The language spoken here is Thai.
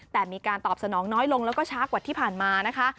แต่มีการตอบสนองน้อยลงแล้วก็ช้ากว่าที่ผ่านมานะคะ